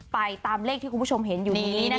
ไปตามเลขที่คุณผู้ชมเห็นอยู่นี้นะคะ